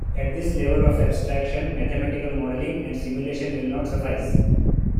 At this level of abstraction, mathematical modeling and simulation will not suffice.